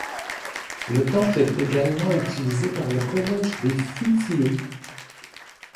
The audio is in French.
Le temple est également utilisé par le collège des Fétiaux.